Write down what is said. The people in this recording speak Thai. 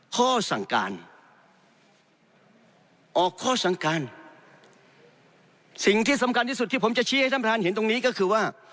ข้อสั่งการออกข้อสั่งการสิ่งที่สำคัญที่สุดที่ผมจะชี้ให้ท่านประธานเห็นตรงนี้ก็คือว่า